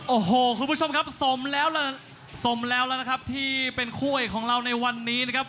โอ้โหคุณผู้ชมครับสมแล้วนะครับที่เป็นคู่เอกของเราในวันนี้นะครับ